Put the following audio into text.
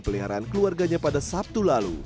peliharaan keluarganya pada sabtu lalu